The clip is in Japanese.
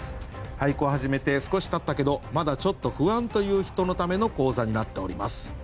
俳句を始めて少したったけどまだちょっと不安という人のための講座になっております。